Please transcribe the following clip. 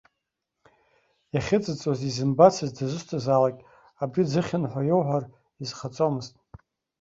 Иахьыҵыҵуаз изымбацыз дызусҭазаалак абри ӡыхьын ҳәа иоуҳәар изхаҵомызт.